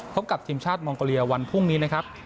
พบกับทีมชาติมองโกเลียวันพรุ่งนี้นะครับ